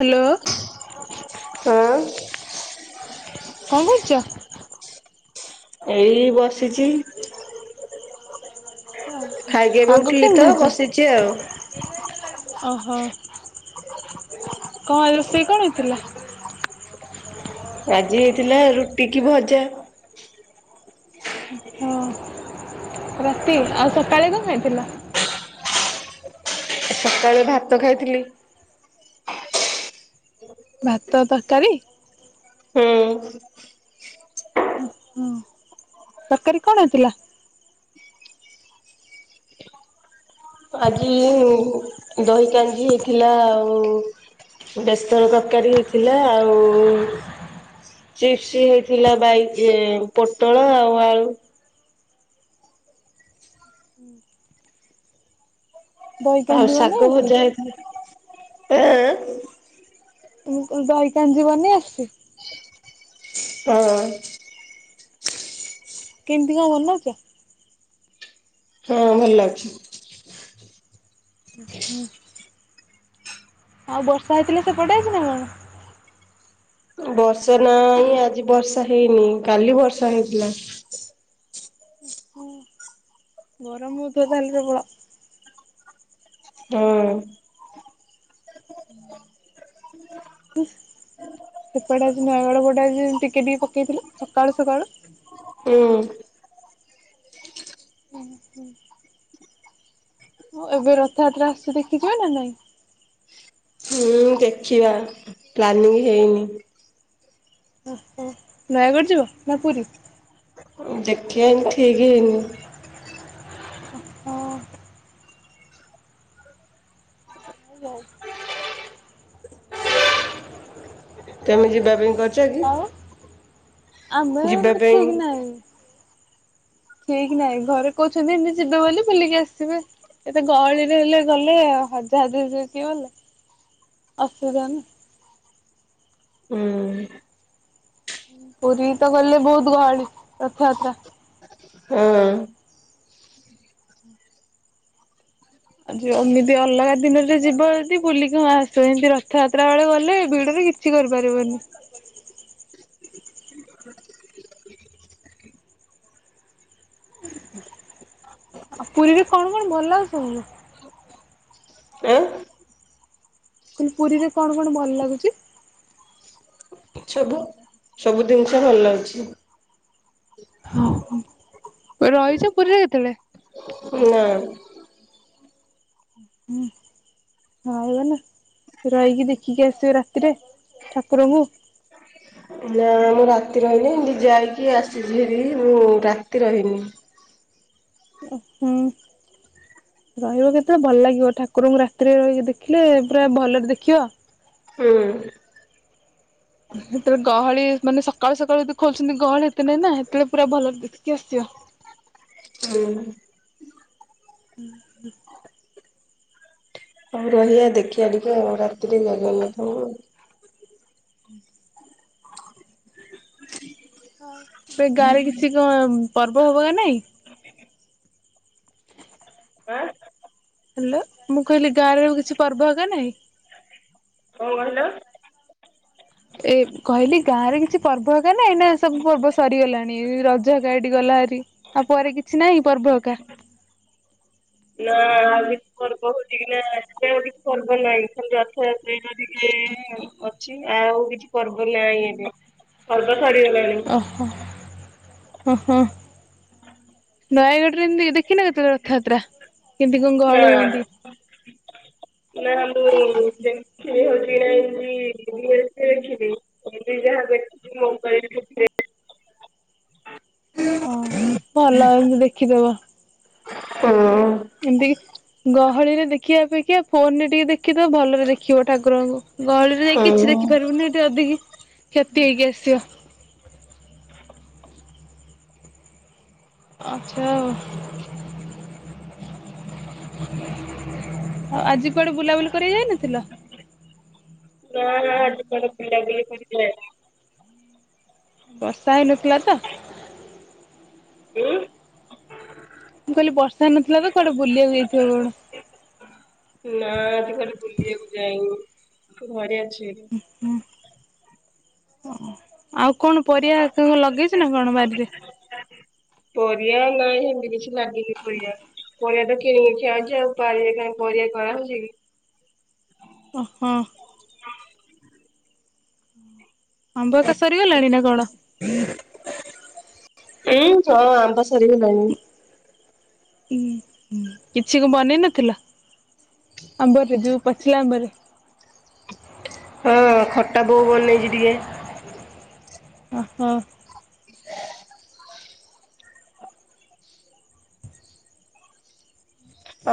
Hello ଆଁ। କଣ କରୁଛ? ଏଇ ବସିଛି। ଖାଇକି ଏବେ ପାଗ ଉଠିଲି କେମିତି ତ ହେଇଛି? ବସିଛି ଆଉ। ଓହୋ କଣ ରୋଷେଇ କଣ ହେଇଥିଲା? ଆଜି ହେଇଥିଲା ରୁଟି କି ଭଜା। ହଁ। ରାତି ଆଉ ସକାଳେ କଣ ଖାଇଥିଲ? ସକାଳେ ଭାତ ଖାଇଥିଲି। ଭାତ ତରକାରୀ। ହୁଁ। ଓ ହୋ। ତରକାରୀ କଣ ହେଇଥିଲା? ଆଜି ଦହି କାଞ୍ଜି ହେଇଥିଲା ଆଉ ବେସର ତରକାରୀ ହେଇଥିଲା, ଆଉ ଚିପ୍ସ ହେଇଥିଲା, ବାଇ ପୋଟଳ ଆଉ ଆଳୁ। ହୁଁ। ଆଉ କାଞ୍ଜି ବନେଇ ଶାଗ ଆସିଛି? ଭଜା ହେଇଥିଲା, ଆଁ ଆଁ। ତମକୁ ଦହି କାଞ୍ଜି ବନେଇ ଆସଚି? ହଁ। କେମିତି କଣ ବନୌଚ? ହଁ ଭଲ ଲାଗୁଛି। ହୁଁ। ଆଉ ବର୍ଷା ହେଇଥିଲା ସେ ପଟେ ଆଜି ନା କଣ? ବର୍ଷା ନଁ ଆଜି ବର୍ଷା ହେଇନି କାଲି ବର୍ଷା ହେଇଥିଲା। ଓ ହୋ। ଗରମ ହଉଥିବ ତାହେଲେ ପ୍ରବଳ? ହୁଁ। [unintelligible] ସେପଟେ ଆଜି ନୟାଗଳ ପୋଟେ ଆଜି ଟିକିେ ଟିକେ ପକାଇଥିଲେ। ସକାଳୁ ସକାଳୁ ହୁଁ। ହୁଁ ହୁଁ। ହଁ ଏବେ ରଥଯାତ୍ରା ଆସୁଛି ଦେଖିଯିବେ ନା ନାଇଁ? ହୁଁ ଦେଖିବା ପ୍ଲାନିଂ ହେଇନି। ଓ ହୋ ନୟାଗଡ଼ ଯିବ ନା ପୁରୀ? ଦେଖି ଠିକ୍ ହେଇନି। ହଁ। [unintelligible] ତମେ ଯିବା ପାଇଁ କରିଛ କି? ଆଉ ଆମେ ଯିବା ପାଇଁ ଠିକ ନାହିଁ। ଠିକ ନାଇଁ ଘରେ କହୁଛନ୍ତି ଏମିତି ଯିବେ ବୋଲି ବୁଲିକି ଆସିବେ। ଏତେ ଗହଳିରେ ହେଲେ ଗଲେ ହଜା ହଜି କିଏ ଗଲେ ଅସୁବିଧା ନା। ହୁଁ। ପୁରୀ ତ ଗଲେ ବହୁତ ଗହଳି ରଥଯାତ୍ରା। ହଁ। ଆଜି ଏମିତି ଅଲଗା ଦିନରେ ଯିବ ଯଦି ବୁଲିକି ହଁ ଆସୁ ଏମିତି ରଥଯାତ୍ରା ବେଳେ ଗଲେ ଭିଡରେ କିଛି କରିପାରିବନି। ଆଉ ପୁରୀରେ କଣ କଣ ଭଲ ଆଉ ସବୁ? ଆଁ [unintelligible] ପୁରୀରେ କଣ କଣ ଭଲ ଲାଗୁଛି? ସବୁ ସବୁ ଜିନିଷ ଭଲ ଲାଗୁଛି। ରହିଛ ପୁରୀରେ କେତେବେଳେ? ନା। ହୁଁ। ହଁ ହେଗ ନା ରହିକି ଦେଖିକି ଆସିବ ରାତିରେ ଠାକୁରଙ୍କୁ ନା ମୁଁ ରାତି ରହନି ଏତି ଯାଇକି ଆସିଛି ହେ ମୁଁ ରାତି ରହିନି। ହୁଁ। ରହିବ କେତେବେଳେ ଭଲ ଲାଗିବ ଠାକୁରଙ୍କୁ ରାତିରେ ରହିକି ଦେଖିଲେ ପୁରା ଭଲରେ ଦେଖିବ। ହୁଁ। ସେତେବେଳେ ଗହଳି ମାନେ ସକାଳୁ ସକାଳୁ ଯଦି ଖୋଲୁଛନ୍ତି ଗହଳି ଏତେ ନାଇଁ ନା ସେତେବେଳେ ପୁରା ଭଲରେ ଦେଖିକି ଆସଯିବ। ହୁଁ। ହୁଁ। ଆଉ ରହିବା ଦେଖିବା ଟିକେ ଆଉ ରାତିରେ ଜଗନ୍ନାଥଙ୍କୁ। ହୁଁ। ଏବେ ଗାଁରେ କିଛି କ ପର୍ବ ହବ ନା ନାଇଁ? ଆଁ ହ୍ୟାଲୋ ମୁଁ କହିଲି ଗାଁରେଆଉ କିଛି ପର୍ବ ହେଗ ନାଇଁ? କଣ କହିଲ? ଏ କହିଲି ଗାଁ ରେ କିଛି ପର୍ବ ହେ ଏକା ଏଇ ନା ସବୁ ପର୍ବ ସରିଗଲାଣି ରଜ ଏକା ଏଠି ଗଲାହେରି। ଆଉ ପରେ କିଛି ନାହିଁ ପର୍ବହକା? [unintelligible] ପର୍ବ ହଉଛି କି ନା ଏବେ ଆଉ କିଛି ପର୍ବ ନାହିଁ ଖ ରଥଯାତ୍ରୀ ଯଦ କି ଅଛି ଆଉ କିଛି ପର୍ବ ନାଇ ଏବେ ପର୍ବ ସାରଗଲାଣି। ଓ ହୋ ନୟାଗଡ଼ରେ [unintelligible] ଦେ କିନା କେତେବେଳେ ରଥଯାତ୍ରା କେମିତି କଣ ଗହଳି ହୁଅନ୍ତି? [unintelligible] ଯିଏ ଯାହା ଦେଖୁଚି ମୋବାଇଲ୍ [unintelligible] ହଁ, ଭଲ ଏମତି ଦେଖିଦବ। ଉଁ ଏମତିକି ଗହଳିରେ ଦେଖିବା ଅପେକ୍ଷା, ଫୋନରେ ଟିକେ ଦେଖିଦବ ଭଲରେ ଦେଖିବ ଠାକୁରଙ୍କୁ। ଗହଳିରେ ଯାଇକି କିଛି ଦେଖିପାରିବୁନି, ଏଠି ଅଧିକି କ୍ଷତି ହେଇକି ଆସିବ। ଆଚ୍ଛା, ଆଉ ଆଉ ଆଜି କୁଆଡେ ବୁଲାବୁଲି କରିବାକୁ ଯାଇନଥିଲ? ନାଁ ନାଁ, ଆଜି କୁଆଡ଼େ ବୁଲା ବୁଲି କରିବାକୁ ଯାଇନି। ବର୍ଷା ହେଇନଥିଲା ତ? ଉଁ? ମୁଁ କହିଲି ବର୍ଷା ନଥିଲା ତ, କୁଆଡେ ବୁଲିବାକୁ ଯାଇଥିବ କଣ? ନାଁ, ଆଜି କୁଆଡ଼େ ବୁଲିବାକୁ ଯାଇନି, ଘରେ ଅଛି। ହୁଁ, ଓ। ଆଉ କଣ ପରିଆ, କଣ କଣ ଲଗେଇଛ ନା କଣ ବାରିରେ? ପରିବା ନାଇଁ ହେମତି କିଛି ଲାଗିନି ପରିବା। ପରିବା ତ କିଣିକି ଖିଆ ହଉଛି ଆଉ ବାରିରେ କାଇଁ ପରିବା କିଣା ହଉଛି କି? ଅ ହଁ। ଆମ୍ୱ ହେକା ସରିଗଲାଣି ନା କଣ? ଉମ୍ ହଁ, ଆମ୍ବ ସରିଗଲାଣି। ହଁ, କିଛି କ ବନେଇ ନଥିଲ, ଆମ୍ବରେ ଯୋଉ ପାଚିଲା ଆମ୍ବରେ? ହଁ, ଖଟା ବୋଉ ବନେଇଚି ଟିକେ। ଅହୋ।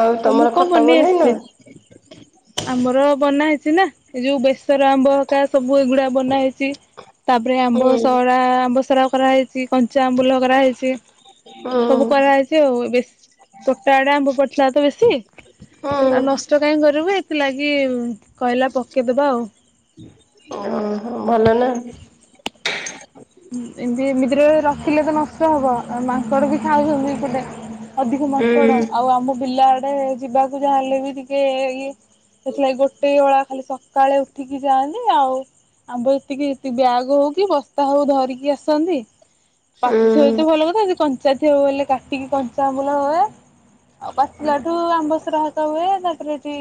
ଆଉ ତମକୁ ତମର କଣ ଖଟା ବନେଇ ବନେଇନ? ଆସିଛି? ଆମର ବନା ହେଇଛି ନା, ଏ ଯୋଉ ବେସର ଆମ୍ବ ହେକା ସବୁ ଏଗୁଡା ବନା ହେଇଛି। ତାପରେ ଆମ୍ବ ହୁଁ ସଡା, ଆମ୍ବସରା କରାହେଇଛି, କଞ୍ଚା ଆମ୍ବୁଲ କରାହେଇଛି ହୁଁ ସବୁ କରାହେଇଛି ଆଉ। ଏ ବେଶ ତୋଟା ଆଡେ ଆମ୍ବ ପଡିଥିଲା ଇ ହୁଁ ଆଉ ନଷ୍ଟ କାହିଁ କରିବୁ, ଏଥିଲାଗି କହିଲା ପକେଇଦବା ଆଉ। ଅଁ ହଁ, ଭଲ ନା। ଏମତି ଏମିତିରେ ରଖିଲେ ତ ନଷ୍ଟ ହବ ଆଉ ମାଙ୍କଡ ବି ଖାଇଦଉସନ୍ତି ଥିଲେ। ଅଧିକ ହୁଁ ମାଙ୍କଡ। ଆଉ ଆମ ବିଲ ଆଡେ ଯିବାକୁ ଯାହାହେଲେ ବି ଟିକେ ଇଏ। ସେଥିଲାଗି ଗୋଟେ ଓଳା ଖାଲି ସକ୍ ସକାଳେ ଉଠିକି ଯାଆନ୍ତି ଆଉ ଆମ୍ବ ଏତିକି ବ୍ୟାଗ ହଉ କି ବସ୍ତା ହଉ ଧରିକି ଆସନ୍ତି, ପାଚିଥିବ ହୁଁ ତ ଯଦି ଭଲ କଥା କଞ୍ଚା ଥିବ ବୋଲେ କାଟିକି କଞ୍ଚା ଆମ୍ବୁଲ ହୁଏ ଆଉ ପାଚିଲାଠୁ ଆମ୍ବସରା ସରା ହୁଏ, ତାପରେ ସେଠି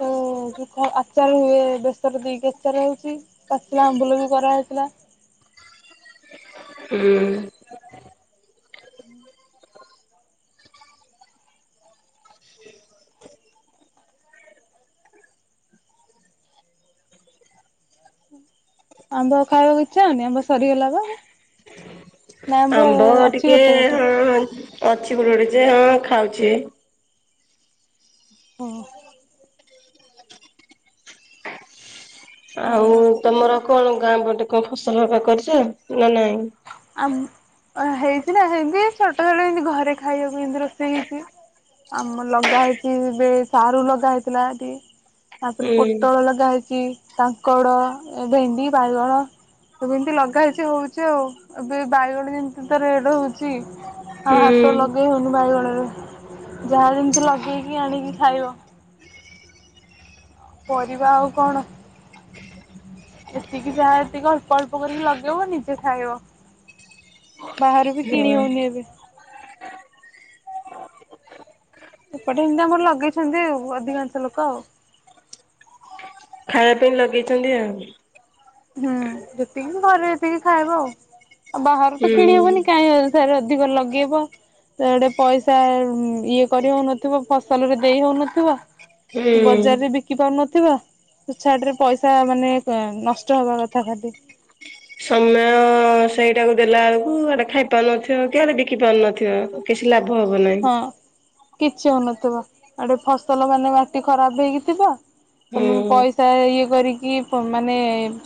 ଯୋଉ ଯୋଉ କହେ ଆଚାର ହୁଏ, ବେସର ଦେଇକି ଆଚାର ହଉଛି ପାଚିଲା ଆମ୍ବୁଲ ବି କରାହେଇଥିଲା। ହୁଁ। ଆମ୍ବ ଆଉ ଖାଇଆକୁ ଇଚ୍ଛା ହଉନି? ଆମ୍ବ ସରିଗଲା ବା। ନା ଆମ୍ବ ଅଛି ଟିକେ ଗୋଟେ ଗୋଟେ ହଁ ଅଛି ଗୋଟେ ଗୋଟେ ଯେ ହଁ ଖାଉଛି। ହଁ। ଆଉ ଭଲ ତମର କଣ ଗାଁ ପଟେ କଣ ଫସଲ ହେକା କରିଛ ନା ନାଇଁ? ଆମ ହେଇଛି ନା ଏମତି ଛୋଟ ଛୋଟ ଏମତି ଘରେ ଖାଇଆକୁ ଏମତି ରୋଷେଇ ହେଇଛି। ଆମ ଲଗା ହେଇଛି, ଏବେ ସାରୁ ଲଗାହେଇଥିଲା ଇଠି। ତାପରେ ପୋଟଳ ହୁଁ ଲଗା ହେଇଛି ତାଙ୍କଡ, ଏ ଭେଣ୍ଡି, ବାଇଗଣ ସବୁ ଏମତି ଲଗା ହେଇଛି ହଉଛି ଆଉ। ଏବେ ବାଇଗଣ ଯେମତି ତ ରେଡ ହଉଛି, ଆଉ ହାତ ହୁଁ ଲଗେଇ ହଉନି ବାଇଗଣରେ। ଯାହା ଯେମତି ଲଗେଇକି ଆଣିକି ଖାଇବ। ପରିବା ଆଉ କଣ? ଏତିକି ଯାହା ଏତିକି ଅଳ୍ପ ଅଳ୍ପ କରିକି ଲଗେଇବ ନିଜେ ଖାଇବ। ବାହରୁ ବି କିଣି ହଁ। ହଉନି ଏବେ ଏପଟେ ଏମିତି ଆମର ଲଗେଇଛନ୍ତି ଆଉ ଅଧିକାଂଶ ଲୋକ ଆଉ ଖାଇବା ପାଇଁ ଲଗେଇଚନ୍ତି ଆଉ ହୁଁ ଯେତିକି ଘରେ ଯେତିକି ଖାଇବ ଆଉ ଆଉ ବାହାରୁ ତ କିଣି ହୁଁ। ହବନି କାହିଁ ଆ ଫେରେ ଅଧିକ ଲଗେଇବ ସେଆଡେ ପଇସା ଇଏ କରି ହଉନଥିବ ଫସଲରେ ଦେଇ ହଉନଥିବ ହୁଁ। ବଜାରରେ ବିକି ପାରୁନଥିବା ତୁଛତରେପଇସା ମାନେ ନଷ୍ଟ ଚହବା କଥା ଖାଲି। ସମୟ ସେଇଟାକୁ ଦେଲା ବେଳକୁ ଆଡେ ଖାଇ ପାରୁନଥିବ କି ଆଡେ ବିକି ପାରୁନଥିବ। କିଛି ଲାଭ ହବ ନାହିଁ। ହଁ। କିଛି ହଉନଥିବ ଆଡେ ଫସଲ ମାନେ ମାଟି ଖରାପ ହେଇକି ଥିବ। ତମେ ହୁଁ ପଇସା ଇଏ କରିକି ମାନେ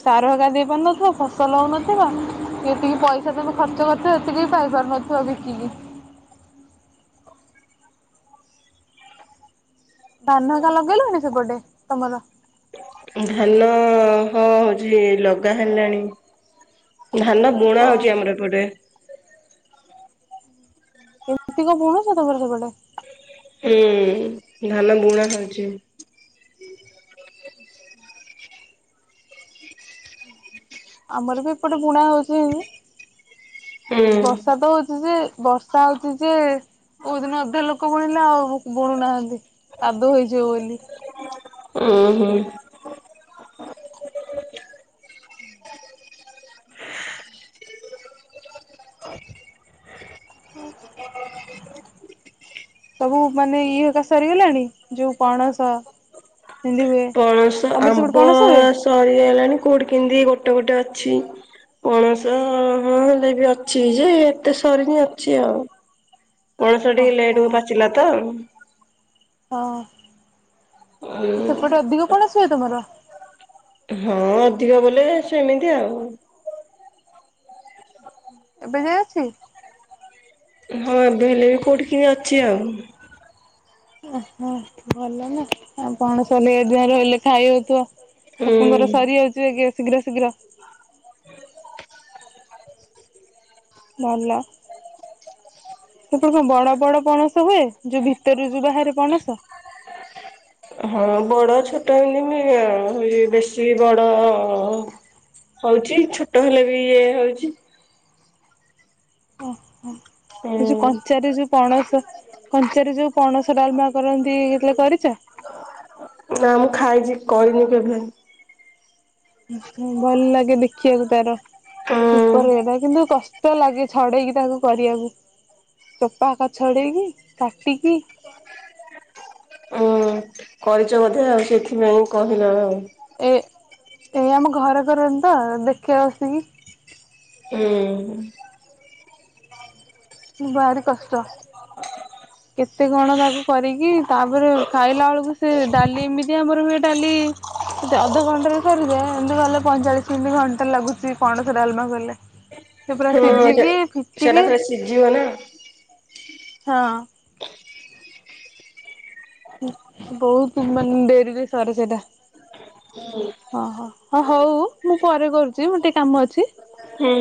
ସାର ହେକା ଦେଇ ପାରୁନଥିବା ଫସଲ ହଉନଥିବା ଯେତିକି ପଇସ ସେ ସବୁ ଖର୍ଚ୍ଚ କରିଥିବ ସେତିକି ବି ପାଇପାରୁନଥିବ ବିକିକି ଧାନ ହେକା ଲଗେଇଲଣି ସେପଟେ ତମର ଧାନ ହଁ ହଉଛି ଲଗା ହେଲାଣି। ଧାନ ବୁଣା ଓହୋ ହଉଚି ଆମର ଏପଟେ ଏମିତିକି ବୁଣୁଛ ତମର ସେପଟେ? ହୁଁ ଧାନ ବୁଣା ଚାଲିଚି। ଆମର ବି ଏପଟେ ବୁଣା ହୁଁ ହଉଚିବର୍ଷା ତ ହଉଚି ଯେ ବ ବର୍ଷା ହଉଚି ଯେ କୋଉ ଦିନ ଅଧା ଲୋକ ବୁଣିଲେ ଆଉ ବୁଣୁନାହାନ୍ତି କାଦୁଅ ହେଇଯିବ ବୋଲି। ହୁଁ ହୁଁ। ହୁଁ। ହ [unintelligible] ସବୁ ମାନେ ଇଏ ଏକା ସରିଗଲାଣି ଯୋଉ ପଣସ ସେମିତି ହୁଏ ପଣସ ତମର ସେପଟେ ଆମ୍ବ ପଣସ ହୁଏ ସରିଗଲାଣି କୋଉଠି କିମିତି ଗୋଟେ ଗୋଟେ ଅଛି। ପଣସ ହଁ ହେଲେ ବି ଅଛି ଯେ ଏତେ ସରିନି ଅଛି ଆଉ ପଣସ ଟିକେ ଲେଏଟ ଓହୋ କୁ ପାଚିଲା ତ ହଁ ସେପଟେ ଅଧିକ ପଣସ ହୁଅ ତମର ହଁ ଅଧିକ ବୋଲେ ସେମିତି ଆଉ ହଁ। ଏବେ ଯାଏଁ ଅଛି ହଁ ଏବେ ହେଲେ କୋଉଠି କେମିତି ଅଛି ଆଉ ଓହୋ ଭଲ ନା ଆଉ ପଣସ ହେଲେ ଏ ଯା ରହିଲେ ଖାଇ ହଉଥିବ। ହୁଁ। ଲୋକଙ୍କର ସରିଯାଉଚି ଏ ଶୀଘ୍ର ଶୀଘ୍ର। ଭଲ ସେପଟେ କଣ ବଡ ବଡ ପଣସ ହୁଏ ଯୋଭି ଭିତରୁ ବାହାରେ ପଣସ ହଁ ବଡ ଛୋଟ ହେନ ଆଉ ବେଶୀ ବଡ ହଉଛି ଛୋଟ ହେଲେ ବି ଇଏ ହଉଛି। ଓହୋ ଏ ଯୋଉ ହୁଁ କଞ୍ଚା ବି ଯୋଉ ପଣସ କଞ୍ଚା ଯୋଉ ପଣସ ଡାଲମା କରନ୍ତି ହେଲେ କରିଚ଼? ନା ମୁଁ ଖାଇଚି କରିନି କେବେ। ଭଲ ଲାଗେ ଦେଖିବାକୁ ତାର ହୁଁ ଉପର ହେବା କିନ୍ତୁ କଷ୍ଟ କଷ୍ଟ ଲାଗେ ଛଡେଇକି ତାକୁ କରିବାକୁ ଚୋପା ଆକା ଛଡେଇକି କାଟିକି ହୁଁ କରିଛ ବୋଧେ ଆଉ ସେଥିପାଇଁ କହିଲ ଆଉ ଏ ଏଇ ଆମ ଘର କରନ୍ତି ତ ଦେଖିବା ବସିକି ହୁଁ। ଭାରି କଷ୍ଟ। ଆଛା [inaudible] କେତେ କଣ ତାକୁ କରିକି ତାପରେ ଖାଇଲା ବେଳକୁ ସେ ଡାଲି ଏମିତି ଆମର ହୁଏ ଡାଲି ସେତେ ଅଧଘଣ୍ଟାରେ ସରିଯାଏ ଏମିତି ଗଲେ ପଇଁଚାଳିଶ ମିନିଟ ଘଣ୍ଟା ଲାଗୁଛି ପଣସ ଡାଲମା କଲେ। ସେ ପୁରା ସିଝିକି ଫିଟିକି ଯିବ ନା। ହଁ। ବହୁତ ମାନେ ଡେରିରେ ସରେ ସେଇଟା। ହଁ ହଁ ହଁ ହଉ ମୁଁ ପରେ କରୁଛି ମୋର ଟିକେ କାମ ଅଛି। ହୁଁ।